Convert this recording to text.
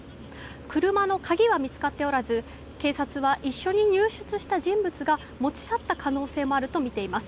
車の鍵は見つかっておらず警察は一緒に入室した人物が持ち去った可能性もあるとみています。